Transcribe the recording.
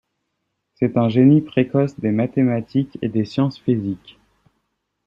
C'est un génie précoce des mathématiques et des sciences physiques.